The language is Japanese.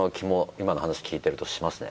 今の話聞いてるとしますね。